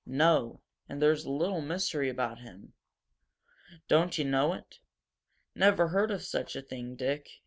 "No, and there's a little mystery about him. Don't you know it?" "Never heard of such a thing, Dick.